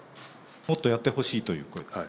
もっとやってほしいという声ですか？